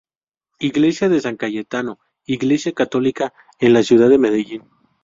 Iglesia de San Cayetano, Iglesia católica en la ciudad de Medellín.